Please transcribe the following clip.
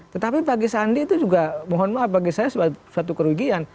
tetapi bagi sandi itu juga mohon maaf bagi saya suatu kerugian